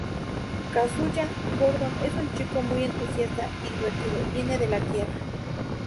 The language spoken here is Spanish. Kazuya Gordon: Es un chico muy entusiasta y divertido, viene de la Tierra.